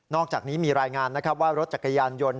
อกจากนี้มีรายงานนะครับว่ารถจักรยานยนต์